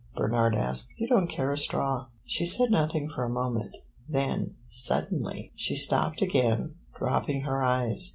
Bernard asked. "You don't care a straw." She said nothing for a moment, then, suddenly, she stopped again, dropping her eyes.